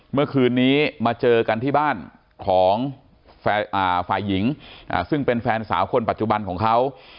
เมื่อคืนนี้มาเจอกันที่บ้านของฝ่ายหญิงซึ่งเป็นแฟนสาวคนปัจจุบันของเขา